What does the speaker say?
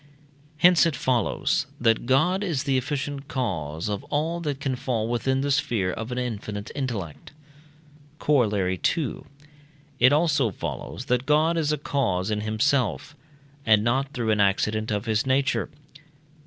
Hence it follows, that God is the efficient cause of all that can fall within the sphere of an infinite intellect. Corollary II. It also follows that God is a cause in himself, and not through an accident of his nature.